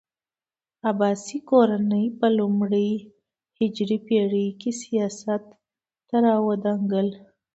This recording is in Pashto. عباسي کورنۍ په لومړنۍ هجري پېړۍ کې سیاست ته راوړانګل.